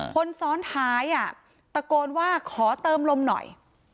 คนซ้อนท้ายตะโกนว่าขอเติมลมหน่อย